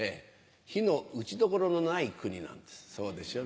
ヒの打ちどころのない国なんですそうでしょ？